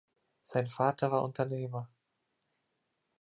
Sein Vater war Unternehmer.